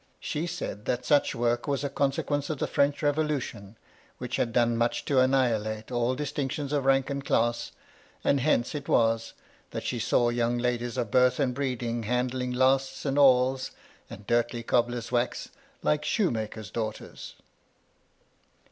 She said that such work was a consequence of the French Revolution, which had done much to annihilate all dis tinctions of rank and class, and hence it was, that she saw young ladies of birth and breeding handling lasts, and awls, and dirty cobblers' wax, like shoemakers* daughters.